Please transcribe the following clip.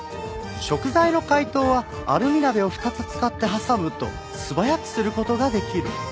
食材の解凍はアルミ鍋を２つ使って挟むと素早くする事ができる。